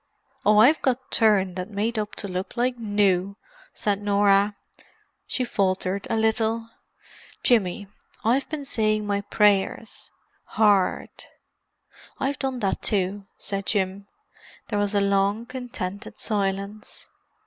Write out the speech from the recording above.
"Oh, I've got turned and made up to look like new," said Norah. She faltered a little. "Jimmy, I've been saying my prayers—hard." "I've done that, too," said Jim. There was a long, contented silence.